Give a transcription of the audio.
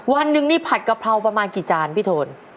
วันหนึ่งนี่ผัดกะเพราประมาณกี่จานพี่โทน